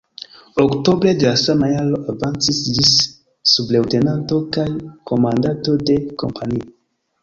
Oktobre de la sama jaro avancis ĝis subleŭtenanto kaj komandanto de kompanio.